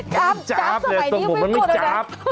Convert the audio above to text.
จาบจาบสมัยนี้มันไม่จาบ